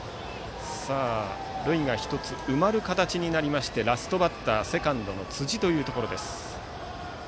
塁が１つ埋まる形になりましてラストバッター、セカンド辻です。